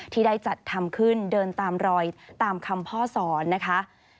ที่ได้จัดทำขึ้นเดินตามรอยตามคำพ่อสอนนะคะ